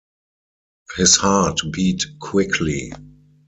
His heart beat quickly.